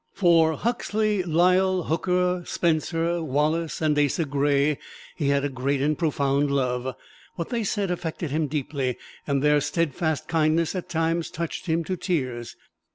For Huxley, Lyell, Hooker, Spencer, Wallace and Asa Gray he had a great and profound love what they said affected him deeply, and their steadfast kindness at times touched him to tears.